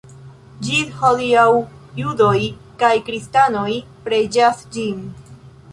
Ĝis hodiaŭ judoj kaj kristanoj preĝas ĝin.